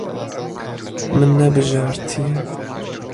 Min nebijartiye.